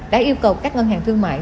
đã yêu cầu các ngân hàng thương mại